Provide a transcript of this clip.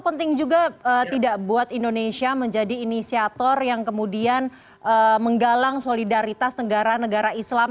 penting juga tidak buat indonesia menjadi inisiator yang kemudian menggalang solidaritas negara negara islam